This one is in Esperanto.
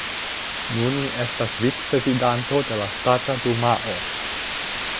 Nun li estas vicprezidanto de la Ŝtata Dumao.